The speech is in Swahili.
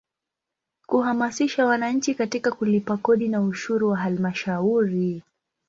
Kuhamasisha wananchi katika kulipa kodi na ushuru wa Halmashauri.